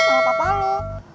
kau papa lo